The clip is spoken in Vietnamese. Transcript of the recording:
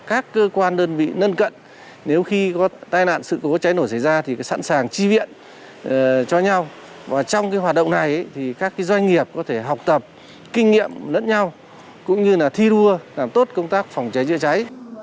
cũng như là học tập kinh nghiệm lẫn nhau cũng như là thi đua làm tốt công tác phòng cháy trễ cháy